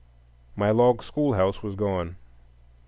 My log schoolhouse was gone.